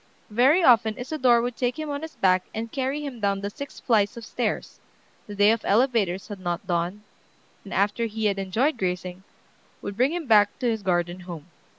Very often Isadore would take him on his back and carry him down the six flights of stairs, the day of elevators had not dawned, and after he had enjoyed grazing, would bring him back to his garden home.